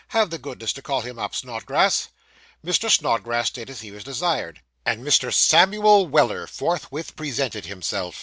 Have the goodness to call him up, Snodgrass.' Mr. Snodgrass did as he was desired; and Mr. Samuel Weller forthwith presented himself.